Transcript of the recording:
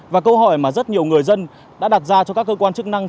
và câu hỏi mà rất nhiều người dân đã đặt ra cho các cơ quan chức năng